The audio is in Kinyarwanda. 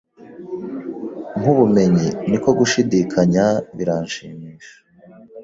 Nkubumenyi niko gushidikanya biranshimisha